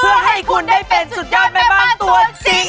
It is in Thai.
เพื่อให้คุณได้เป็นสุดยอดแม่บ้านตัวจริง